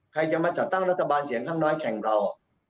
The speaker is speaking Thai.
ใช่ไหมครับ